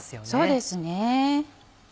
そうですね。